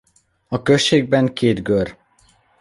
A községben két gör.